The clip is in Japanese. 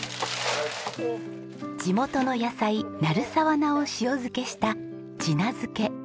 地元の野菜鳴沢菜を塩漬けした地菜漬け。